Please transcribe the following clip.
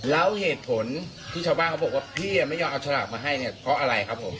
แล้วเหตุผลที่ชาวบ้านเขาบอกว่าพี่ไม่ยอมเอาฉลากมาให้เนี่ยเพราะอะไรครับผม